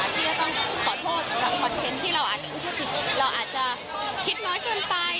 ก็ต้องขอโทษกับคอนเทนต์ที่เราอาจจะคิดน้อยเกินไป